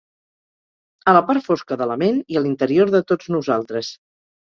A la part fosca de la ment i a l'interior de tots nosaltres.